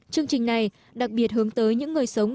chương trình này đặc biệt hướng tới những người sống